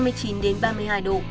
phía nam có nơi trên ba mươi hai độ